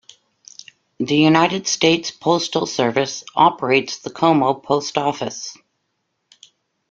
The United States Postal Service operates the Como Post Office.